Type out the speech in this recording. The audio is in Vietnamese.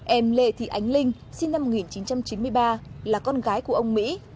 em lê thị ánh linh sinh năm một nghìn chín trăm chín mươi ba là con gái của ông mỹ